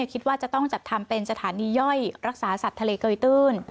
คิดว่าจะต้องจัดทำเป็นสถานีย่อยรักษาสัตว์ทะเลเกยตื้น